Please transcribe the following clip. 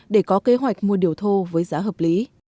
để có kế hoạch mua điều thô với giá hợp lý